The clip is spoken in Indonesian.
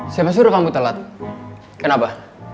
siapa suruh kamu telat kenapa